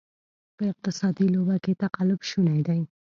په اقتصادي لوبه کې تقلب شونې دی.